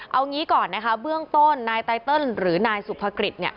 เอางี้ก่อนนะคะเบื้องต้นนายไตเติลหรือนายสุภกฤษ